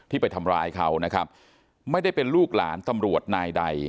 ไปทำร้ายเขานะครับไม่ได้เป็นลูกหลานตำรวจนายใด